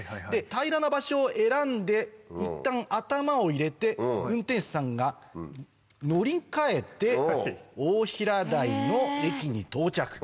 で平らな場所を選んでいったん頭を入れて運転手さんが乗り換えて大平台の駅に到着。